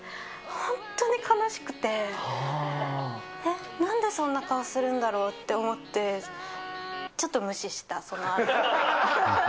本当に悲しくて、なんでそんな顔するんだろうって思って、ちょっと無視した、そのあと。